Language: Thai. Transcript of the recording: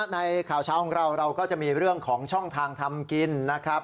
ในข่าวเช้าของเราเราก็จะมีเรื่องของช่องทางทำกินนะครับ